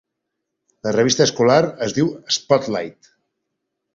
La revista escolar es diu "Spotlight".